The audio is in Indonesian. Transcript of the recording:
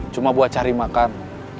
cuma buat cari makan